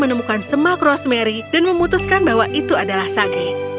menemukan semak rosemary dan memutuskan bahwa itu adalah sage